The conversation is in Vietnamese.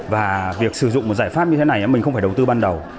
và việc sử dụng một giải pháp như thế này mình không phải đầu tư ban đầu